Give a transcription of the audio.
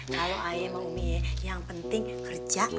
kalau ae mau mie yang penting kerja